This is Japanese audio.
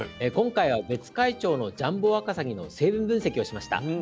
今回は別海町のジャンボわかさぎの成分分析をしました。